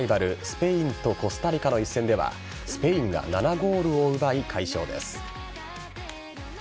スペインとコスタリカの一戦ではスペインが７ゴールを奪い快勝です。